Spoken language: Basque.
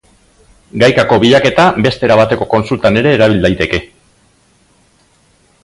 Gaikako bilaketa beste era bateko kontsultan ere erabil daiteke.